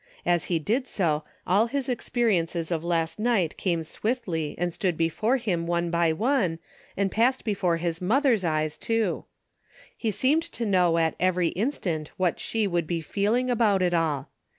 As he did so, all his experiences of last night came swiftly and stood before him one by one, and passed before his mother's eyes too. He seemed to know at every instant what she would be feeling about it all.